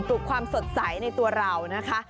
ลูกความสดใสในตัวเรานะคะ